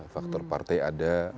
faktor partai ada